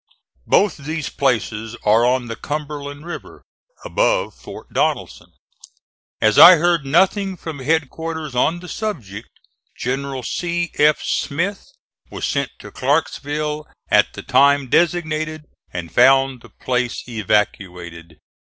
Both these places are on the Cumberland River above Fort Donelson. As I heard nothing from headquarters on the subject, General C. F. Smith was sent to Clarksville at the time designated and found the place evacuated.